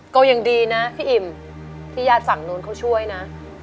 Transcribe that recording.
ก็ยังดีนะพี่อิ่มที่ญาติฝั่งนู้นเขาช่วยนะ